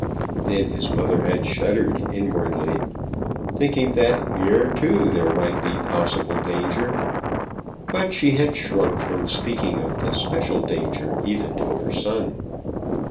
Then his mother had shuddered inwardly, thinking that here too there might be possible danger; but she had shrunk from speaking of the special danger even to her son.